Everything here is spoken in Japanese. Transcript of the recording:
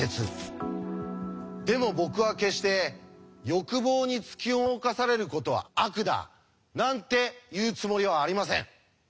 でも僕は決して「欲望に突き動かされることは悪だ」なんて言うつもりはありません。